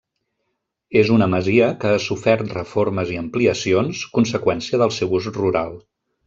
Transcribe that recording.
És una masia que ha sofert reformes i ampliacions, conseqüència del seu ús rural.